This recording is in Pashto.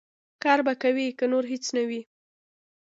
کار به کوې، که نور هېڅ نه وي.